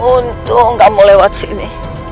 untung kamu lewat sini